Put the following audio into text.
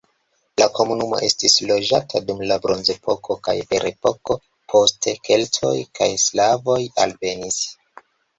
La komunumo estis loĝata dum la bronzepoko kaj ferepoko, poste keltoj kaj slavoj alvenis.